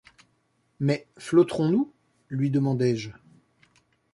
Mais flotterons-nous ? lui demandai-je.